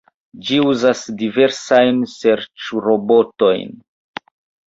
Ĝi uzas diversajn serĉrobotojn.